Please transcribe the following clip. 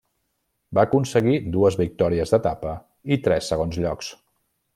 Va aconseguir dues victòries d'etapa i tres segons llocs.